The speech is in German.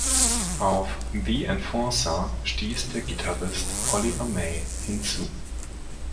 Auf "The Enforcer" stieß der Gitarrist Oliver May hinzu.